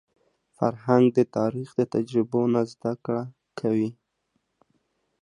فرهنګ د تاریخ له تجربو نه زده کړه کوي.